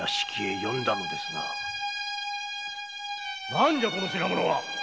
〔何じゃこの品物は。